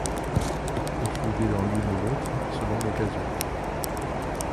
Il fouillait dans l’une ou l’autre, selon l’occasion.